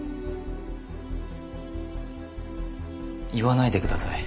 言わないでください。